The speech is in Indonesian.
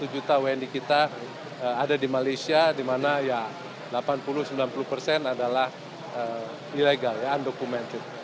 satu juta wni kita ada di malaysia di mana ya delapan puluh sembilan puluh persen adalah ilegal ya undocumented